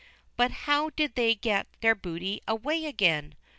But how did they get their booty away again?